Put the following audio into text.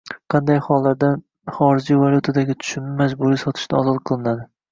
Qanday hollarda xorijiy valyutadagi tushumni majburiy sotishdan ozod qilinadi?